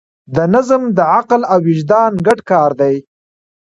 نظم د عقل او وجدان ګډ کار دی.